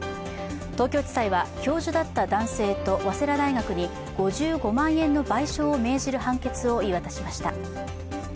東京地裁は教授だった男性と早稲田大学に５５万円の賠償を命じる判決を言い渡しました。